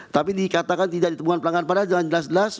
tapi dikatakan tidak ditemukan pelanggaran padahal jangan jelas jelas